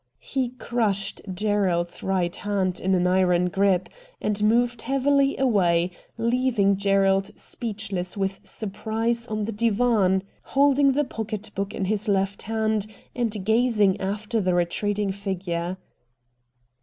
He crushed Gerald's right hand in an iron grip, and moved heavily away, leaving Gerald speechless with surprise on the divan, 78 RED DIAMONDS holding the pocket book in his left hand, and gazing after the retreating figure.